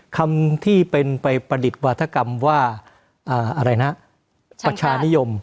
คำที่เป็นไปประดิษฐ์วาธกรรมว่าอะไรนะประชานิยม